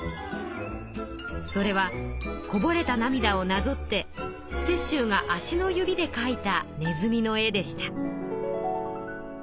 それはこぼれた涙をなぞって雪舟が足の指で描いたねずみの絵でした。